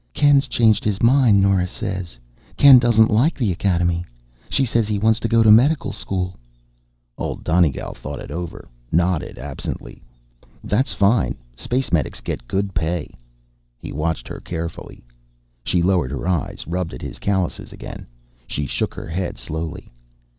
"Ken's changed his mind, Nora says. Ken doesn't like the academy. She says he wants to go to medical school." Old Donegal thought it over, nodded absently. "That's fine. Space medics get good pay." He watched her carefully. She lowered her eyes, rubbed at his calluses again. She shook her head slowly.